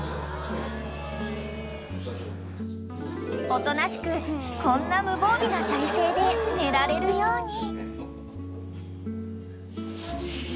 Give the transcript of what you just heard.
［おとなしくこんな無防備な体勢で寝られるように］